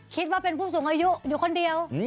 คิดว่าเป็นผู้สูงอายุอยู่คนเดียว